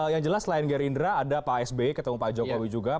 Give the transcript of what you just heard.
yang jelas selain gerindra ada pak sby ketemu pak jokowi juga